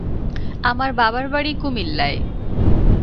আমার বাবার বাড়ি কুমিল্লায়।